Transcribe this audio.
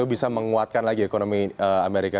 bisa menguatkan lagi ekonomi amerika